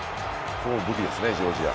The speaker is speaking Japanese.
武器ですね、ジョージア。